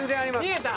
見えた？